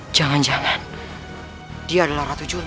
jangan jangan dia adalah ratu jum'at